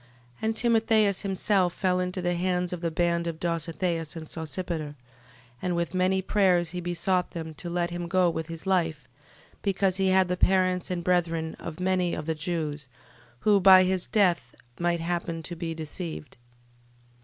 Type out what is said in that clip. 12:24. And Timotheus himself fell into the hands of the band of Dositheus and Sosipater, and with many prayers he besought them to let him go with his life, because he had the parents and brethren of many of the Jews, who, by his death, might happen to be deceived.